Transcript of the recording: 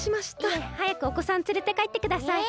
いえはやくおこさんつれてかえってください。